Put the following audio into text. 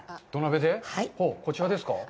こちらですか？